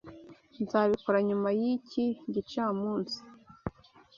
Nzabikora nyuma yiki gicamunsi.